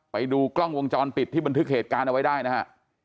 ไปดูกล้องวงจรปิดที่บันทึกเหตุการณ์เอาไว้ได้นะฮะ